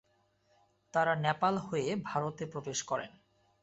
তাঁরা নেপাল হয়ে ভারতে প্রবেশ করেন।